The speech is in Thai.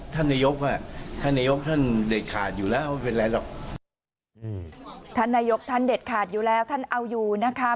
ท่านนายคท่านเด็ดขาดอยู่แล้วท่านเอาอยู่นะคะ